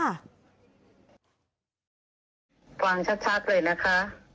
ฟังชัดเลยนะคะ